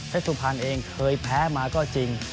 เฮดสุภัณฑ์เองเคยแพ้มาก็จริง